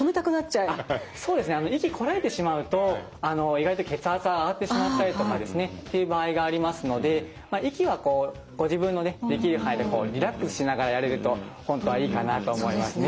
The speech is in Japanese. そうですね息こらえてしまうと意外と血圧が上がってしまったりとかっていう場合がありますので息はこうご自分のできる範囲でリラックスしながらやれると本当はいいかなと思いますね。